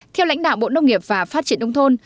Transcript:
theo lãnh đạo bộ nông nghiệp và phát triển đông thôn